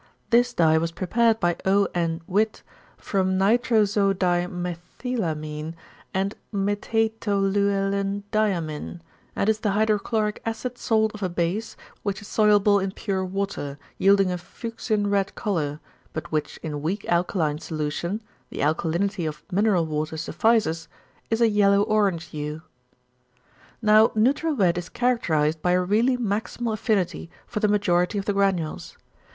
This dye was prepared by O. N. Witt from nitrosodimethylamin and metatoluylendiamin, and is the hydrochloric acid salt of a base which is soluble in pure water, yielding a fuchsin red colour, but which in weak alkaline solution the alkalinity of mineral water suffices is a yellow orange hue. Now neutral red is characterised by a really maximal affinity for the majority of the granules.